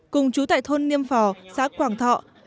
cùng chú tại thôn niêm phò xã quảng thọ